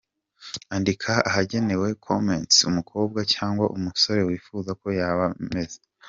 Andika ahagenewe comments umukobwa cyangwa umusore wifuza uko yaba ameze.